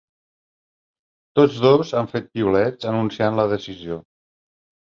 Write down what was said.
Tots dos han fet piulets anunciant la decisió.